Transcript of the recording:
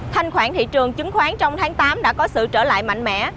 thanh khoản thị trường chứng khoán trong tháng tám đã có sự trở lại mạnh mẽ